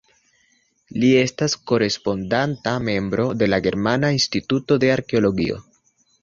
Li estas Korespondanta Membro de la Germana Instituto de Arkeologio.